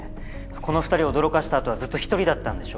この二人を驚かしたあとはずっと一人だったんでしょ？